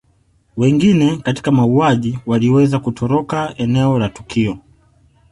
Wengine katika mauaji waliweza kutoroka eneo la tukio